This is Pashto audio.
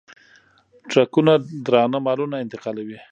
ټرکونه درانه مالونه انتقالوي.